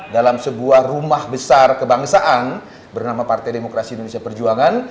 dalam sebuah rumah besar kebangsaan bernama partai demokrasi indonesia perjuangan